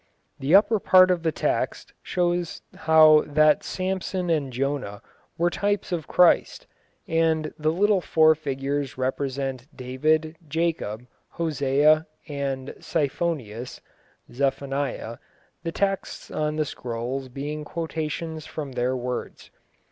The upper part of the text shows how that Samson and Jonah were types of Christ, and the four little figures represent David, Jacob, Hosea, and Siphonias (Zephaniah), the texts on the scrolls being quotations from their words.